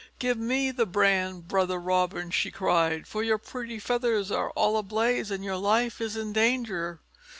"Give me the brand, brother Robin," she cried, "for your pretty feathers are all ablaze and your life is in danger."